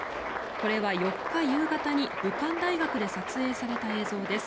これは４日夕方に武漢大学で撮影された映像です。